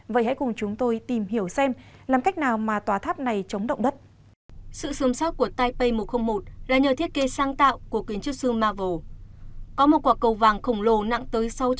vậy hãy cùng chúng tôi tìm hiểu xem làm cách nào mà tòa tháp này chống động đất một